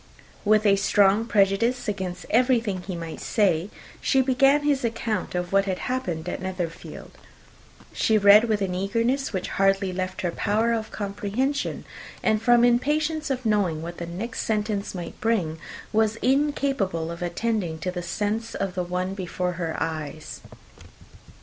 With a strong prejudice against everything he might say, she began his account of what had happened at Netherfield. She read with an eagerness which hardly left her power of comprehension; and from impatience of knowing what the next sentence might bring, was incapable of attending to the sense of the one before her eyes.